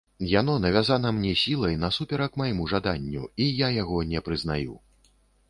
Яно навязана мне сілай насуперак майму жаданню, і я яго не прызнаю.